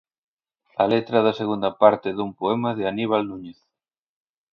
A letra da segunda parte dun poema de Aníbal Núñez.